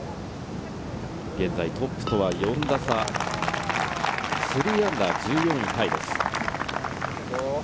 現在トップと４打差、−３、１４位タイです。